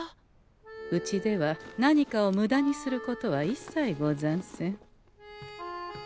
うちでは何かをむだにすることはいっさいござんせん。